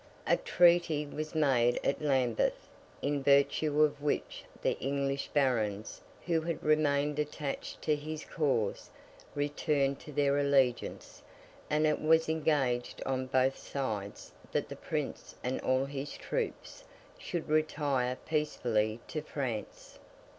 A treaty was made at Lambeth, in virtue of which the English Barons who had remained attached to his cause returned to their allegiance, and it was engaged on both sides that the Prince and all his troops should retire peacefully to France.